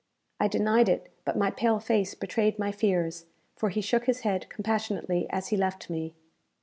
I denied it; but my pale face betrayed my fears, for he shook his head compassionately as he left me.